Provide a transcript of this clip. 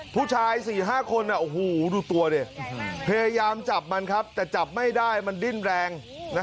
ผู้ชาย๔๕คนดูตัวดิพยายามจับมันครับแต่จับไม่ได้มันดิ้นแรง